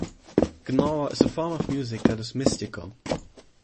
Gnawa is a form of music that is mystical.